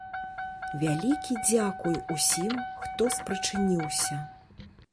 Вялікі дзякуй усім, хто спрычыніўся!